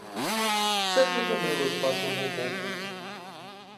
Це дуже мило з вашого боку.